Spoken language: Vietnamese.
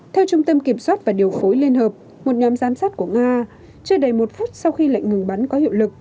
theo trung tâm kiểm soát và điều phối liên hợp một nhóm giám sát của nga chưa đầy một phút sau khi lệnh ngừng bắn có hiệu lực